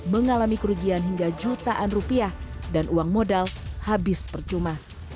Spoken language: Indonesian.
mengalami kerugian hingga jutaan rupiah dan uang modal habis percuma